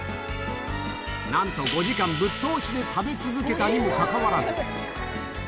なんと、５時間ぶっ通しで食べ続けたにもかかわらず。